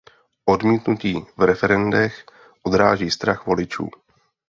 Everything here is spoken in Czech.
Odmítnutí v referendech odráží strach voličů.